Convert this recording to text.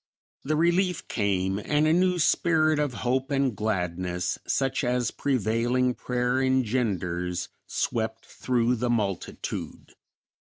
The relief came and a new spirit of hope and gladness, such as prevailing prayer engenders, swept through the multitude.